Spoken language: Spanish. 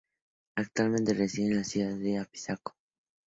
Actualmente reside en la ciudad de Apizaco.